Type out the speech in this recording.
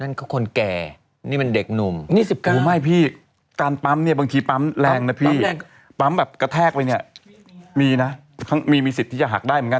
นั่นก็คนแก่นี่มันเด็กหนุ่มนี่๑๙ไม่พี่การปั๊มเนี่ยบางทีปั๊มแรงนะพี่แรงปั๊มแบบกระแทกไปเนี่ยมีนะมีมีสิทธิ์ที่จะหักได้เหมือนกัน